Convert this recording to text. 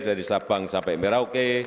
dari sabang sampai merauke